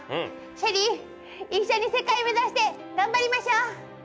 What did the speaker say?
シェリ一緒に世界目指して頑張りましょう。